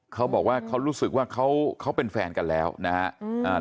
เขาบอกว่าเขารู้สึกว่าเขาเป็นแฟนกันแล้วนะครับ